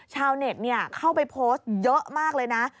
ชาวเน็ตเข้าไปโพสต์เยอะมากเลยนะ